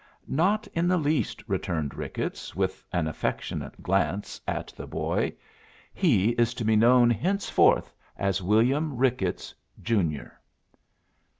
"Not in the least," returned Ricketts, with an affectionate glance at the boy. "He is to be known henceforth as William Ricketts, Junior."